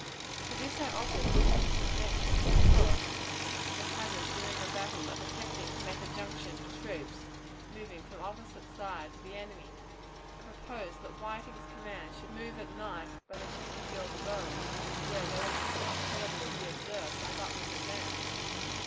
To this I offered distinct objection, because of the hazard during a battle of attempting to make a junction of troops moving from opposite sides of the enemy; and proposed that Whiting's command should move at night by the Chesterfield road, where they would not probably be observed by Butler's advance.